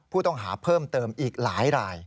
ผู้ต้องหาเพิ่มเติมอีกหลายราย